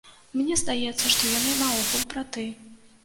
Мне здаецца, што яны наогул браты.